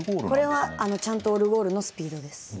これはちゃんとオルゴールのスピードです。